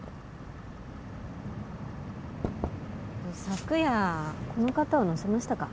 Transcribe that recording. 昨夜この方を乗せましたか？